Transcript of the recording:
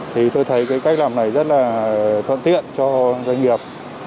thì tôi thấy cái cách làm này rất là thuận tiện cho doanh nghiệp